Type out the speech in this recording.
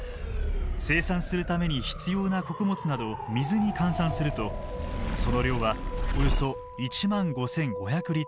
生産するために必要な穀物などを水に換算するとその量はおよそ１万５，５００リットル。